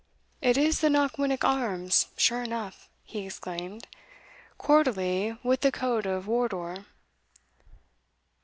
"It is the Knockwinnock arms, sure enough," he exclaimed, "quarterly with the coat of Wardour."